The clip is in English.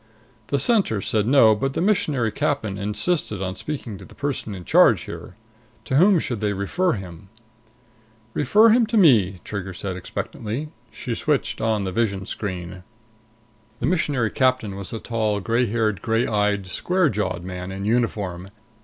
The Center said no, but the Missionary Captain insisted on speaking to the person in charge here. To whom should they refer him? "Refer him to me," Trigger said expectantly. She switched on the vision screen. The Missionary Captain was a tall, gray haired, gray eyed, square jawed man in uniform.